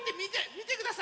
みてください！